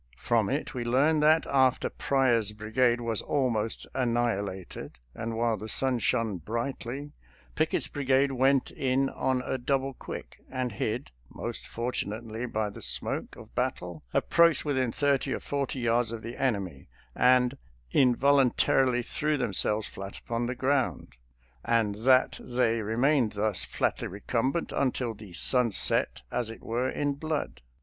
From it we learn that after Pryor's brigade was almost annihilated, and while the sun shone brightly, Pickett's brigade went in on a double quick, and, hid, most fortunately, by the smoke of battle, approached within thirty or forty yards of the enemy and " involuntarily threw themselves flat upon the ground," and that they remained thus flatly recumbent until " the sun set, as it were, in blood."